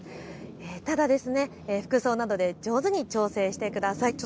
ただ、服装などで上手に調節してください。